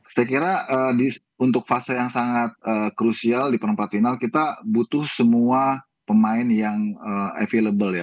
saya kira untuk fase yang sangat krusial di perempat final kita butuh semua pemain yang available ya